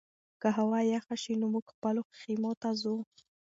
که هوا یخه شي نو موږ خپلو خیمو ته ځو.